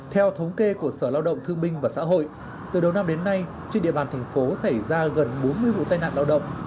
theo thống kê của sở lao động thương minh và xã hội từ đầu năm đến nay trên địa bàn thành phố xảy ra gần bốn mươi vụ tai nạn lao động